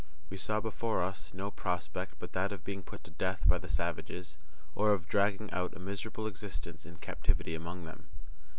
We saw before us no prospect but that of being put to death by the savages, or of dragging out a miserable existence in captivity among them.